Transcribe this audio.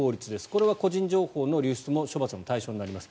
これは個人情報の流出も処罰の対象になります。